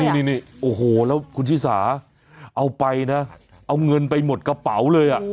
นี่โอ้โหแล้วคุณชิสาเอาไปนะเอาเงินไปหมดกระเป๋าเลยอ่ะ